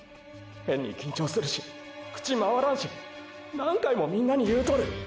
変に緊張するし口まわらんし何回もみんなに言うとる。